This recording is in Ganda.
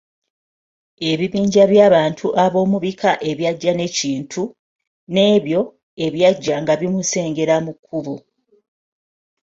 Ebibinja by'abantu ab'omu bika ebyajja ne Kintu, n'ebyo ebyajjanga bimusengera mu kkubo.